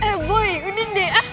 eh boy udah deh